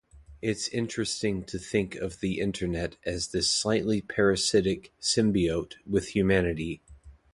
It's interesting to think of the Internet as this slightly parasitic symbiote with Humanity.